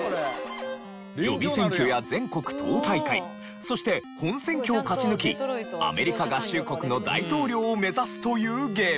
予備選挙や全国党大会そして本選挙を勝ち抜きアメリカ合衆国の大統領を目指すというゲーム。